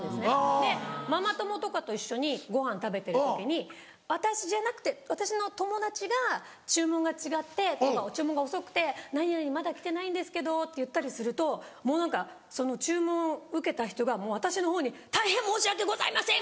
でママ友とかと一緒にごはん食べてる時に私じゃなくて私の友達が注文が違ってとか注文が遅くて「何々まだ来てないんですけど」って言ったりするともう何か注文受けた人が私のほうに「大変申し訳ございません！」